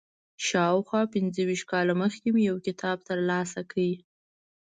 شاوخوا پنځه ویشت کاله مخکې مې یو کتاب تر لاسه کړ.